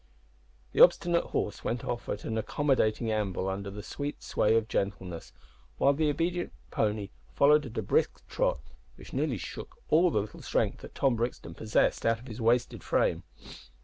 The obstinate horse went off at an accommodating amble under the sweet sway of gentleness, while the obedient pony followed at a brisk trot which nearly shook all the little strength that Tom Brixton possessed out of his wasted frame.